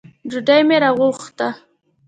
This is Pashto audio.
ډوډۍ مي راوغوښته .